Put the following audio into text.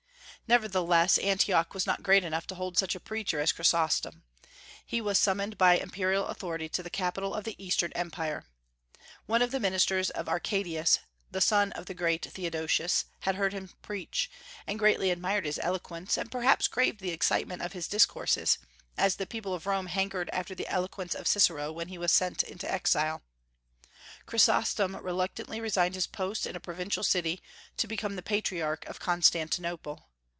Nevertheless, Antioch was not great enough to hold such a preacher as Chrysostom. He was summoned by imperial authority to the capital of the Eastern Empire. One of the ministers of Arcadius, the son of the great Theodosius, had heard him preach, and greatly admired his eloquence, and perhaps craved the excitement of his discourses, as the people of Rome hankered after the eloquence of Cicero when he was sent into exile. Chrysostom reluctantly resigned his post in a provincial city to become the Patriarch of Constantinople.